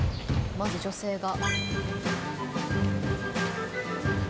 まず、女性が。